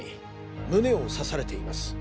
胸を刺されています。